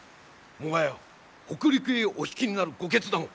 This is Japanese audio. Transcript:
もはや北陸へお退きになるご決断を！